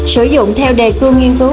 sử dụng theo đề cương nghiên cứu